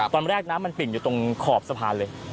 น้ำมันปิ่นอยู่ตรงขอบสะพานเลย